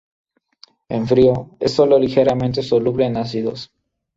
En frío, es solo ligeramente soluble en ácidos.